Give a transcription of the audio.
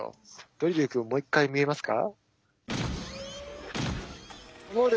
ドリルくんもう一回見えますか？